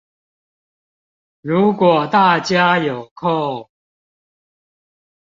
如果大家有空